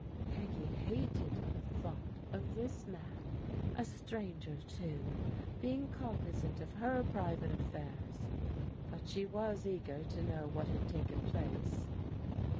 Peggy hated the thought of this man, a stranger too, being cognizant of her private affairs, but she was eager to know what had taken place.